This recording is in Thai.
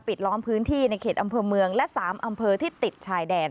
ล้อมพื้นที่ในเขตอำเภอเมืองและ๓อำเภอที่ติดชายแดน